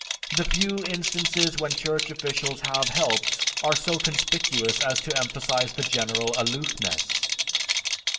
The few instances when church officials have helped are so conspicuous as to emphasize the general aloofness....